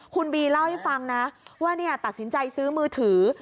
คุณบีเล่าให้ฟังนะว่าตัดสินใจซื้อมือถือ